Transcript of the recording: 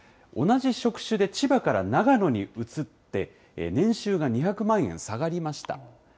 同じ職種で千葉から長野に移って、年収が２００万円下がりました。